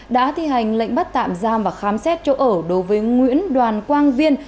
đã thi hành lệnh bắt tạm giam và khám xét chỗ ở đối với nguyễn đoàn quang viên